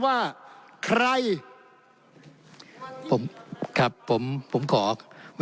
ท่านประธานที่ขอรับครับ